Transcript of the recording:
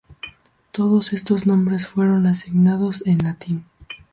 Todos estos nombres fueron asignados en latín.